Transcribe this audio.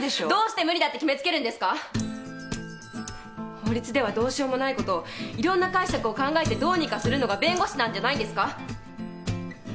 法律ではどうしようもないことをいろんな解釈を考えてどうにかするのが弁護士なんじゃないんですか！